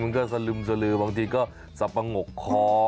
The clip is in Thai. มันก็สลึมบางทีก็สับปะงกคอ